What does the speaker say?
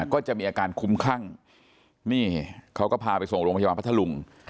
ก็จะมีอาการคุ้มคลั่งนี่เขาก็พาไปส่งโรงพยาบาลพัทธลุง